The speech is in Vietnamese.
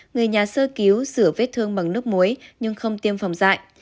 người nhà sơ cứu sửa vết thương bằng nước muối nhưng không tiêm phòng dại